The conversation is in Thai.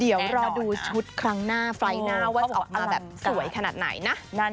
เดี๋ยวรอดูชุดครั้งหน้าไฟล์หน้าว่าจะออกมาแบบสวยขนาดไหนนะ